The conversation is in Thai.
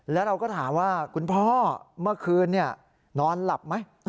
แล้วเราก็ถามว่าคุณพ่อเมื่อคืนนอนหลับไหม